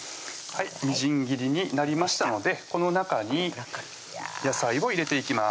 みじん切りになりましたのでこの中に野菜を入れていきます